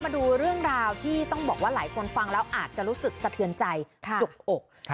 มาดูเรื่องราวที่ต้องบอกว่าหลายคนฟังแล้วอาจจะรู้สึกสะเทือนใจจุกอก